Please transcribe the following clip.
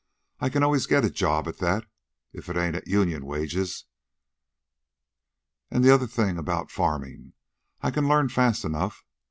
I can always get a job at that if it ain't at union wages. An' the other things about farmin' I can learn fast enough.